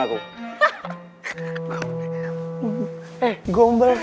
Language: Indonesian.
dia nggak punya ber affects